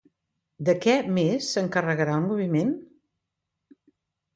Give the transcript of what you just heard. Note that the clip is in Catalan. De què més s'encarregarà el moviment?